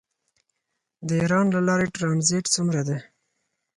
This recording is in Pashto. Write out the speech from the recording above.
د ایران له لارې ټرانزیټ څومره دی؟